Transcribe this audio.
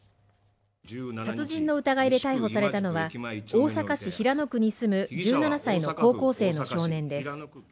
殺人の疑いで逮捕されたのは大阪市平野区に住む１７歳の高校生の少年です。